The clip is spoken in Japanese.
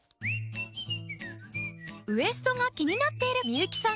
ウエストが気になっている幸さん。